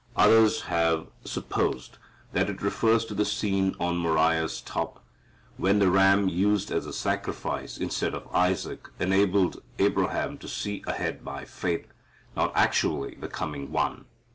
Others have supposed that it refers to the scene on Moriah's top, when the ram used as a sacrifice instead of Isaac enabled Abraham to see ahead by faith, not actually, the coming One.